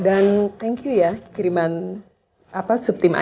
dan thank you ya kiriman subtimak